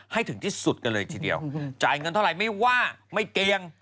ให้ถึงที่สุดกันเลยทีเดียวจ่ายเงินเท่าไหร่ไม่ว่าไม่เกลียง